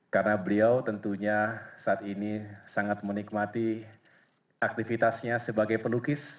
karena beliau tentunya saat ini sangat menikmati aktivitasnya sebagai penukar